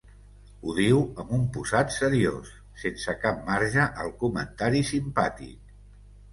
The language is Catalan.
Ho diu amb un posat seriós, sense cap marge al comentari simpàtic.